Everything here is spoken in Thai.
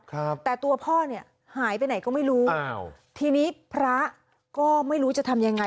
ครับแต่ตัวพ่อเนี่ยหายไปไหนก็ไม่รู้อ้าวทีนี้พระก็ไม่รู้จะทำยังไง